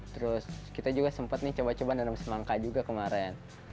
terus kita juga sempat nih coba coba nanam semangka juga kemarin